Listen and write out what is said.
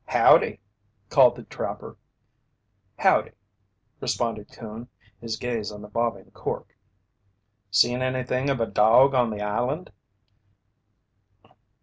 "Howdy!" called the trapper. "Howdy," responded Coon, his gaze on the bobbing cork. "Seen anything of a dog on the island?"